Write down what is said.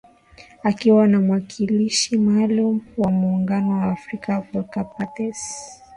Akiwa na mwakilishi maalum wa Muungano wa Afrika, Volker Perthes.